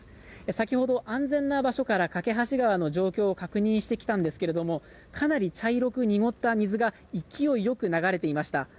先ほど、安全な場所から梯川の状況を確認してきたんですけれどもかなり茶色く濁った水が勢い良く流れていました。